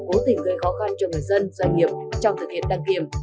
cố tình gây khó khăn cho người dân doanh nghiệp trong thực hiện đăng kiểm